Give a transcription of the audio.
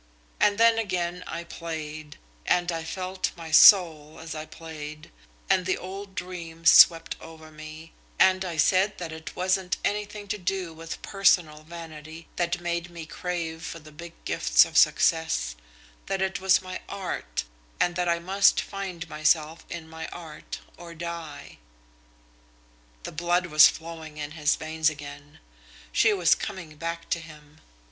And then again I played, and I felt my soul as I played, and the old dreams swept over me, and I said that it wasn't anything to do with personal vanity that made me crave for the big gifts of success; that it was my art, and that I must find myself in my art or die." The blood was flowing in his veins again. She was coming back to him.